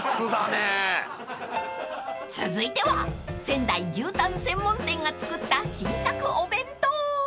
［続いては仙台牛たん専門店が作った新作お弁当］